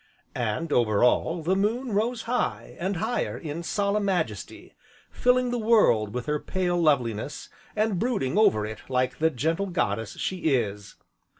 And, over all, the moon rose high, and higher, in solemn majesty, filling the world with her pale loveliness, and brooding over it like the gentle goddess she is.